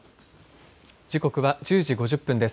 時刻は１０時５０分です。